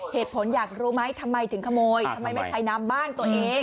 เหตุผลอยากรู้ไหมทำไมถึงขโมยทำไมไม่ใช้น้ำบ้านตัวเอง